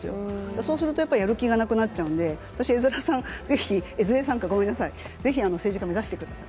そうすると、やっぱりやる気がなくなっちゃうんで、私、ぜひ、江連さんか、ごめんなさい、ぜひ政治家目指してください。